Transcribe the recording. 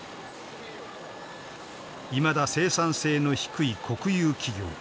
いまだ生産性の低い国有企業。